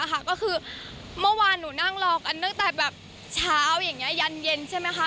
ก็คือเมื่อวานหนูนั่งรอกันตั้งแต่แบบเช้าอย่างนี้ยันเย็นใช่ไหมคะ